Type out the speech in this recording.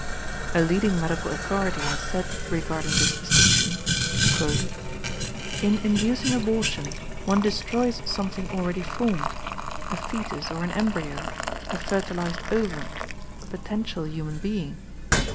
A leading medical authority has said regarding this distinction: "In inducing abortion, one destroys something already formed a foetus or an embryo, a fertilized ovum, a potential human being.